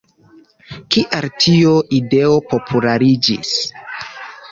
Kial tiu ideo populariĝis?